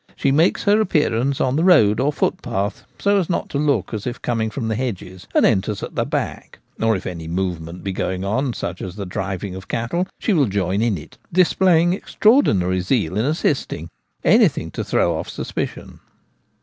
She makes her appearance on the road or footpath so as not to look as if coming from the hedges, and enters at the back ; or if any movement be going on, as the driving of cattle, she will join in it, displaying ex traordinary zeal in assisting : anything to throw off suspicion.